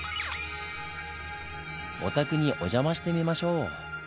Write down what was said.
お宅にお邪魔してみましょう。